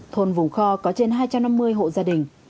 thôn vùng kho có trên hai trăm năm mươi hộ gia đình